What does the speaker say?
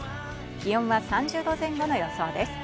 気温は３０度前後の予想です。